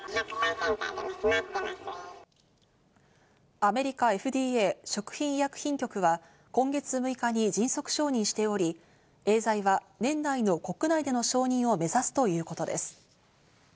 アメリカＦＤＡ＝食品医薬品局は今月６日に迅速承認しており、エーザイは年内の国内での承認を目指すということです。